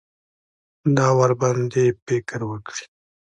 دا ورباندې فکر وکړي.